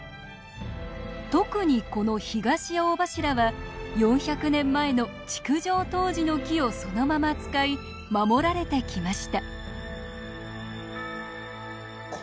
特にこの東大柱は４００年前の築城当時の木をそのまま使い守られてきました。